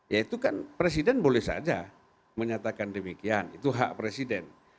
ya itu kan presiden boleh saja menyatakan demikian itu hak presiden